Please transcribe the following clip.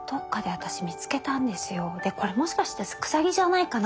でこれもしかしてくさぎじゃないかな